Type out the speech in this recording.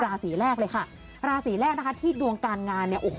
ราชาศีแรกเลยค่ะราชาศีแรกที่ดวงการงาน